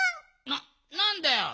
ななんだよ。